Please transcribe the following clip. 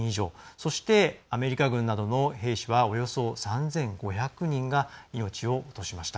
そして、アメリカ軍などの兵士はおよそ３５００人が命を落としました。